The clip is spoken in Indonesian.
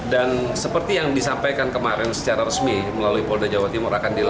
dan seperti yang disampaikan kemarin secara resmi melalui polda jawa timur